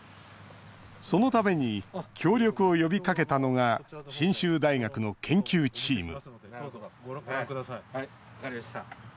そのために協力を呼びかけたのが信州大学の研究チーム。